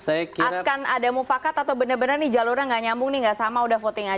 akan ada mufakat atau bener bener nih jalur yang gak nyambung nih gak sama udah voting aja